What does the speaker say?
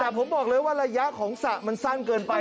แต่ผมบอกเลยว่าระยะของสระมันสั้นเกินไป